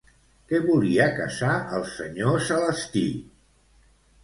Què volia caçar el senyor Celestí?